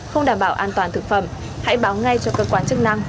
không đảm bảo an toàn thực phẩm hãy báo ngay cho cơ quan chức năng